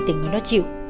tỉnh người đó chịu